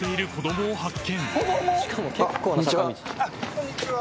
こんにちは。